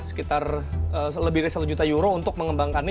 sekitar lebih dari satu juta euro untuk mengembangkannya